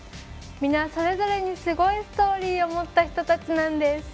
みんなそれぞれにすごいストーリーを持った人たちなんです。